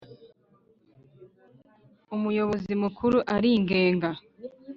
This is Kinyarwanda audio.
Umuyobozi Mukuru aringenga.